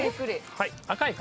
はい。